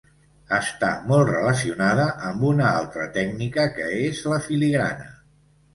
Està molt relacionada amb una altra tècnica que és la filigrana.